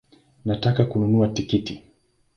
Nataka kununua tikiti